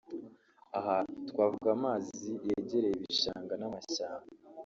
aha twavuga amazi yegereye ibishanga n’amashyamba”